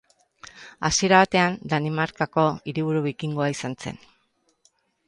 Hasiera batean, Danimarkako hiriburu bikingoa izan zen.